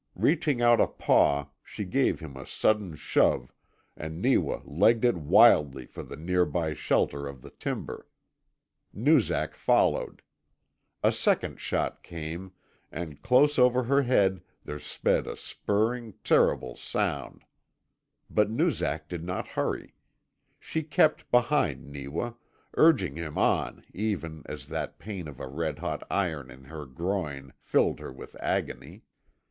Reaching out a paw she gave him a sudden shove, and Neewa legged it wildly for the near by shelter of the timber. Noozak followed. A second shot came, and close over her head there sped a purring, terrible sound. But Noozak did not hurry. She kept behind Neewa, urging him on even as that pain of a red hot iron in her groin filled her with agony.